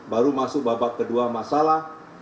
baru masuk babak kedua masalah